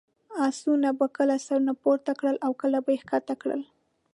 اسونو به کله سرونه پورته کړل، کله به یې کښته کړل.